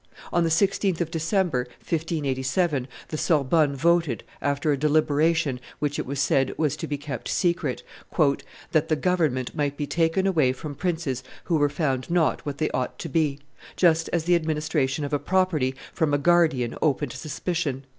On the 16th of December, 1587, the Sorbonne voted, after a deliberation which, it was said, was to be kept secret, "that the government might be taken away from princes who were found not what they ought to be, just as the administration of a property from a guardian open to suspicion."